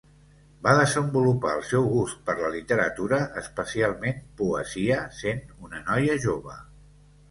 Va desenvolupar el seu gust per la literatura, especialment poesia, sent una noia jove.